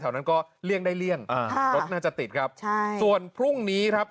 แถวนั้นก็เลี่ยงได้เลี่ยงอ่าฮะรถน่าจะติดครับใช่ส่วนพรุ่งนี้ครับ